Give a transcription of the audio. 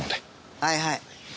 はいはい。